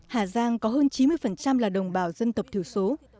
hà giang có hơn chín mươi là đồng bào dân tộc thiểu số